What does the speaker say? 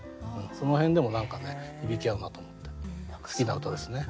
その辺でも何かね響き合うなと思って好きな歌ですね。